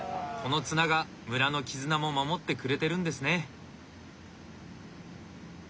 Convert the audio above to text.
この綱が村の絆も守ってくれてるんですね。